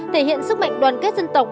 thể hiện sức mạnh đoàn kết dân tộc